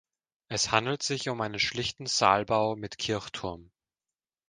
Es handelt sich um einen schlichten Saalbau mit Kirchturm.